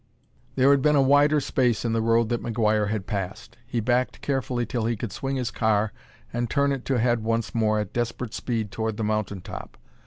There had been a wider space in the road that McGuire had passed; he backed carefully till he could swing his car and turn it to head once more at desperate speed toward the mountain top.